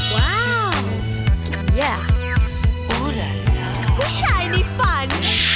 ว้าวผู้ชายในฝัน